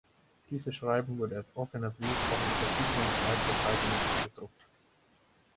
Dieses Schreiben wurde als offener Brief auch in verschiedenen Schweizer Zeitungen abgedruckt.